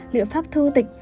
liệu pháp thư tịch